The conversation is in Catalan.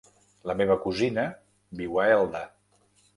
La meva cosina viu a Elda.